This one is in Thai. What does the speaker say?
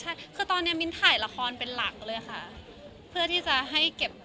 ใช่คือตอนนี้มิ้นถ่ายละครเป็นหลักเลยค่ะเพื่อที่จะให้เก็บ